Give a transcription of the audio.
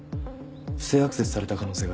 不正アクセスされた可能性があります。